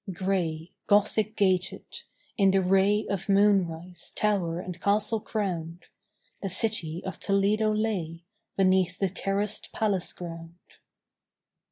Gray, Gothic gated, in the ray Of moonrise, tower and castle crowned, The city of Toledo lay Beneath the terraced palace ground.